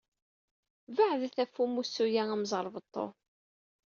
Beɛdet ɣef umussu-a amẓerbeḍḍu.